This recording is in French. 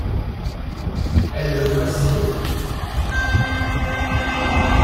Elle le fascine.